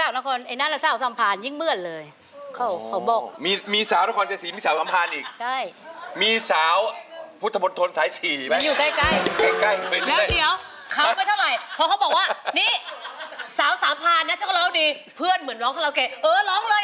แล้วเดี๋ยวหาว่าเท่าไหร่เพราะเขาบอกว่านี่สาวสามพาลนะเจ๊คราวดีเผื่อนเหมือนร้องฮาเลาเกรด